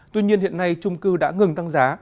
tuy nhiên hiện nay trung cư đã ngừng tăng giá